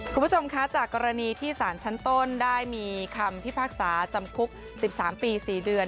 คุณผู้ชมคะจากกรณีที่สารชั้นต้นได้มีคำพิพากษาจำคุก๑๓ปี๔เดือน